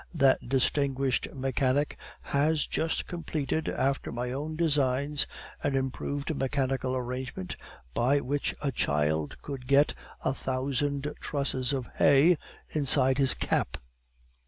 "That distinguished mechanic has just completed, after my own designs, an improved mechanical arrangement by which a child could get a thousand trusses of hay inside his cap."